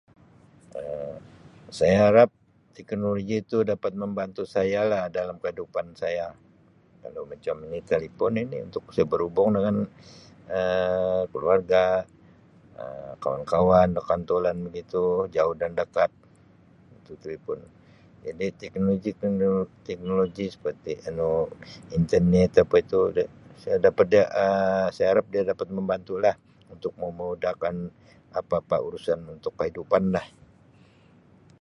Um Saya harap teknologi tu dapat membantu saya lah dalam kehidupan saya kalau macam ni talipun ini untuk saya berhubung dengan Um keluarga, Um kawan-kawan, rakan taulan begitu jauh dan dekat itu telipun, jadi teknologi-tekno anu internet apa itu saya dapat dia Um saya harap dia dapat membantulah untuk memudahkan apa-apa urusan untuk kehidupan lah.